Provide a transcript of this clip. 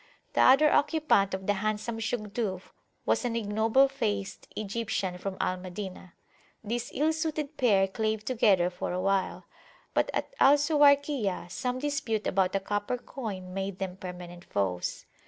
The other occupant of the handsome Shugduf was an ignoble faced Egyptian from Al Madinah. This ill suited pair clave together for awhile, but at Al Suwayrkiyah some dispute about a copper coin made them permanent foes.